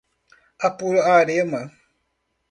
Apuarema